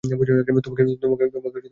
তোমাকে বোকা বানিয়েছে!